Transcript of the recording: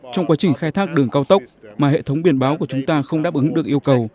trong quá trình khai thác đường cao tốc mà hệ thống biển báo của chúng ta không đáp ứng được yêu cầu